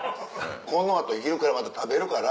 この後昼からまた食べるから。